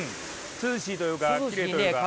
涼しいというかきれいというか。